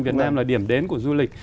việt nam là điểm đến của du lịch